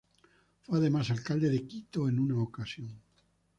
Fue además Alcalde de Quito en una ocasión.